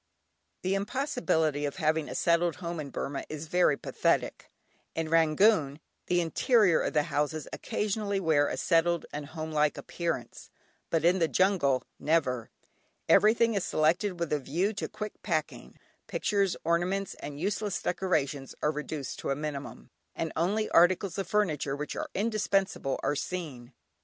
The impossibility of having a settled home in Burmah is very pathetic. In Rangoon, the interior of the houses occasionally wear a settled and homelike appearance, but in the jungle, never. Everything is selected with a view to quick packing; pictures, ornaments, and useless decorations are reduced to a minimum, and only articles of furniture which are indispensable are seen.